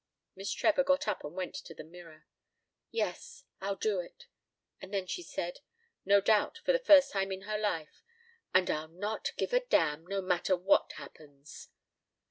Miss Trevor got up and went to the mirror. "Yes, I'll do it." And then she said, no doubt for the first time in her life: "And I'll not give a damn, no matter what happens."